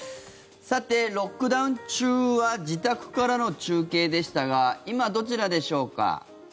さて、ロックダウン中は自宅からの中継でしたが今、どちらでしょうか。